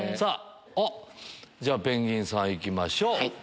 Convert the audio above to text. あっじゃあペンギンさん行きましょう。